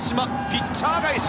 ピッチャー返し。